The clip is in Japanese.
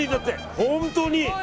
本当に？